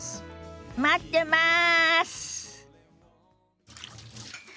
待ってます！